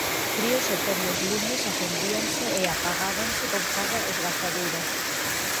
Fríos e tenues lumes acendíanse e apagábanse con cada esgazadura.